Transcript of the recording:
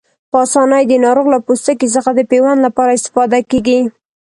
په آسانۍ د ناروغ له پوستکي څخه د پیوند لپاره استفاده کېږي.